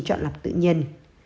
chọn lập tự nhân